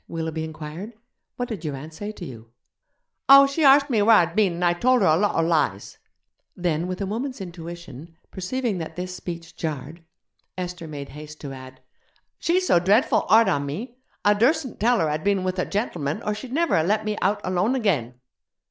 Willoughby inquired; 'what did your aunt say to you?' 'Oh, she arst me where I'd been, and I tolder a lotter lies.' Then, with a woman's intuition, perceiving that this speech jarred, Esther made haste to add, 'She's so dreadful hard on me. I dursn't tell her I'd been with a gentleman or she'd never have let me out alone again.'